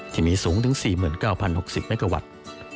ที่มีสูงถึง๔๙๐๖๐เมกะวัตต์